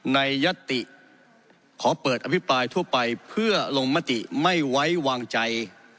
ยัตติขอเปิดอภิปรายทั่วไปเพื่อลงมติไม่ไว้วางใจ